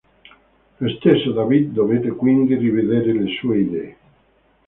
Lo stesso David dovette quindi rivedere le sue idee.